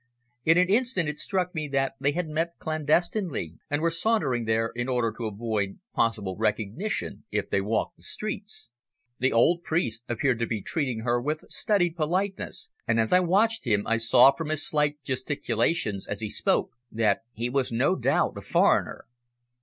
In an instant it struck me that they had met clandestinely and were sauntering there in order to avoid possible recognition if they walked the streets. The old priest appeared to be treating her with studied politeness, and as I watched him I saw from his slight gesticulations as he spoke that he was no doubt a foreigner.